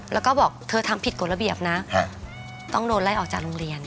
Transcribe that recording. แล้วก็บอกเธอทำผิดกฎระเบียบนะต้องโดนไล่ออกจากโรงเรียน